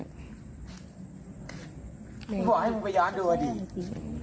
มึงบอกให้มึงไปย้อนดูอดีต